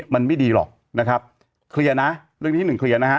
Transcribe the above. มันไม่ดีหรอกนะครับเคลียร์นะเรื่องนี้หนึ่งเคลียร์นะฮะ